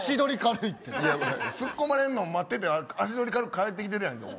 ツッコまれるの待ってて足取り軽く帰ってきてるやん。